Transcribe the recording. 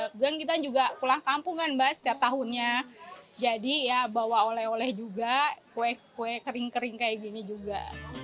kebetulan kita juga pulang kampung kan mbak setiap tahunnya jadi ya bawa oleh oleh juga kue kue kering kering kayak gini juga